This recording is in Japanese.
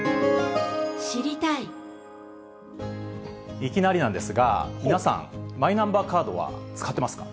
いきなりなんですが、皆さん、マイナンバーカードは使ってますか？